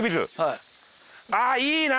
あっいいな！